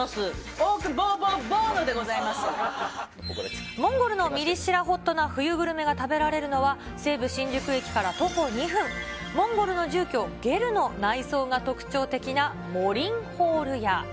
オオクボーボーボーノでござモンゴルのミリ知らホットな冬グルメが食べられるのは西武新宿駅から徒歩２分、モンゴルの住居、ゲルの内装が特徴的なモリンホール屋。